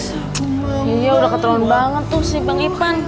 iya udah keturun banget tuh si bang ipan